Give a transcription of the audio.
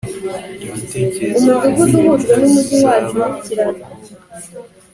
ibitekerezo ku mpinduka zizaba ku bakobwa